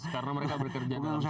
karena mereka bekerja dalam satu